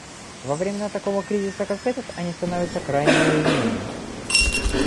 Во времена такого кризиса, как этот, они становятся крайне уязвимыми.